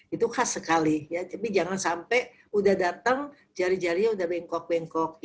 itu khas sekali tapi jangan sampai sudah datang jari jarinya sudah bengkok bengkok